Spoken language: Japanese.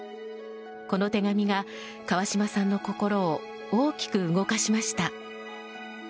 この手紙が川島さんの心を大きく動かしました。